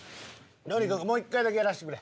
とにかくもう１回だけやらせてくれ。